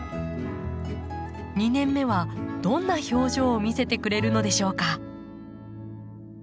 ２年目はどんな表情を見せてくれるのでしょうか？